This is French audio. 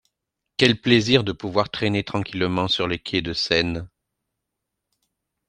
Quel plaisir de pouvoir traîner tranquillement sur les quais de Seine!